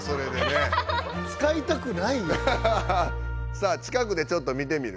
さあ近くでちょっと見てみる？